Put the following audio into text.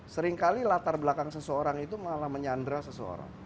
seringkali latar belakang seseorang itu malah menyandra seseorang